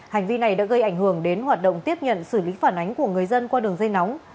hành vi này đã gây ảnh hưởng đến hoạt động tiếp nhận xử lý phản ánh của người dân qua đường dây nóng